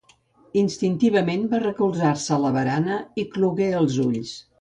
Instintivament va recolzar-se a la barana i clogué els ulls.